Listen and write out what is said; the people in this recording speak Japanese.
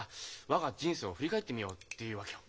我が人生を振り返ってみようっていうわけよ。